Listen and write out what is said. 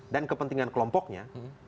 dan kepentingan kelompoknya